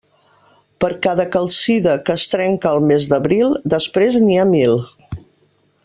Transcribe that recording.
Per cada calcida que es trenca al mes d'Abril, després n'hi ha mil.